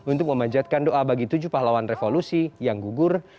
untuk memanjatkan doa bagi tujuh pahlawan revolusi yang gugur